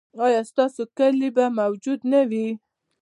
ایا ستاسو کیلي به موجوده نه وي؟